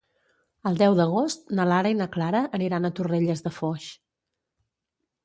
El deu d'agost na Lara i na Clara aniran a Torrelles de Foix.